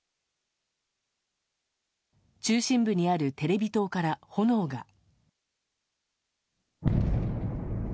中心部にあるテレビ塔から炎が。